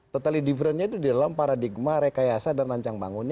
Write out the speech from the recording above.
totally differentnya itu dalam paradigma rekayasa dan lancar